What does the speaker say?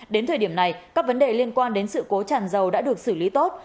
đến thời điểm này các vấn đề liên quan đến sự cố tràn dầu đã được xử lý tốt